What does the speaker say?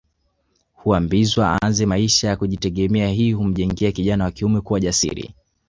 Huambiwa aanze maisha ya kujitegemea hii humjenga kijana wa kiume kuwa jasiri